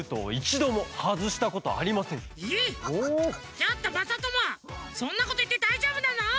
ちょっとまさともそんなこといってだいじょうぶなの？